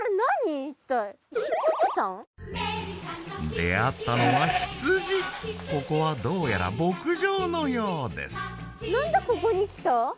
出合ったのはここはどうやら牧場のようです何でここに来た？